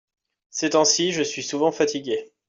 ces temps-ci je suis souvent fatigué.